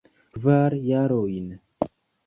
Kvar jarojn.